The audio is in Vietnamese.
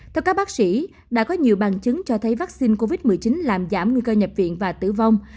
theo các bác sĩ đã có nhiều bằng chứng cho thấy vaccine covid một mươi chín làm giảm nguy cơ nhập viện và tử vong